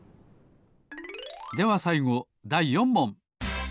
ではさいごだい４もん。